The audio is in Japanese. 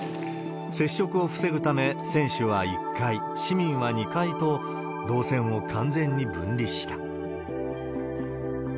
接触を防ぐため、選手は１階、市民は２回と、動線を完全に分離した。